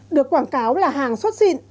được quảng cáo là hàng xuất xịn